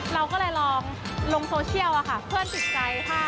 เราก็เลยลองลงโซเชียลเพื่อนติดใจค่ะ